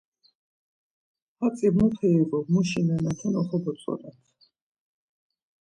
Hatzi mupe ivu, muşi nenaten oxobotzonat.